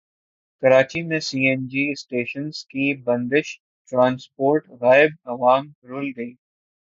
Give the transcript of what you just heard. کراچی میں C N G stations کی بندش ٹرانسپورٹ غائب عوام رل گئے